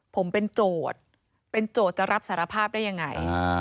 ผมเป็นโจทย์เป็นโจทย์จะรับสารภาพได้ยังไง